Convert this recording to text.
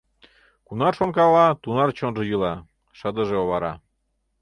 Кунар шонкала, тунар чонжо йӱла, шыдыже овара.